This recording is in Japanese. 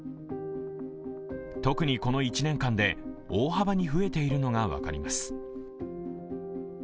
特にこの１年間で大幅に増えているのが分かります。